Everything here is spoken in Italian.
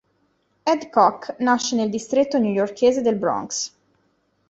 Ed Koch nasce nel distretto newyorkese del Bronx.